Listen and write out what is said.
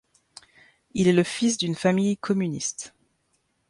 Il est le fils d'une famille communiste.